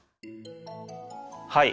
はい。